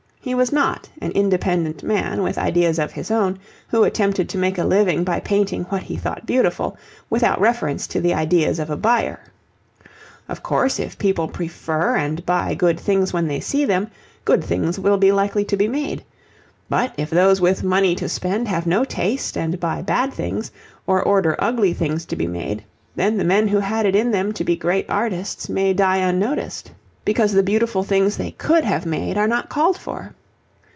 He was not an independent man with ideas of his own, who attempted to make a living by painting what he thought beautiful, without reference to the ideas of a buyer. Of course, if people prefer and buy good things when they see them, good things will be likely to be made, but if those with money to spend have no taste and buy bad things or order ugly things to be made, then the men who had it in them to be great artists may die unnoticed, because the beautiful things they could have made are not called for.